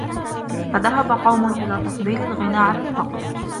فَذَهَبَ قَوْمٌ إلَى تَفْضِيلِ الْغِنَى عَلَى الْفَقْرِ